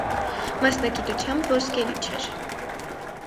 Մասնագիտությամբ ոսկերիչ էր։